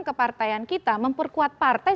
kepartaian kita memperkuat partai